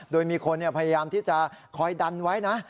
โดยมีคนพยายามที่จะคอยดันไว้นะ